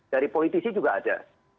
dari politisi juga ada